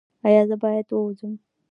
ایا زه باید ووځم؟